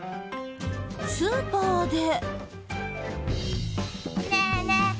スーパーで。